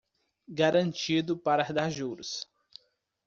Garantido para dar juros